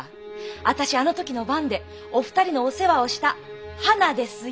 私あの時の番でお二人のお世話をしたはなですよ。